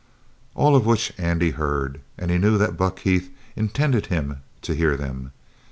All of which Andy heard, and he knew that Buck Heath intended him to hear them.